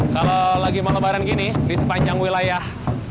kalau lagi melebaran gini di sepanjang wilayah